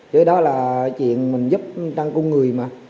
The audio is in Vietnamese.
với đó là chuyện mình giúp tăng cung người mà